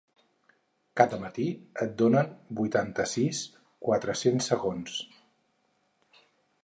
Cada matí et donen vuitanta-sis.quatre-cents segons.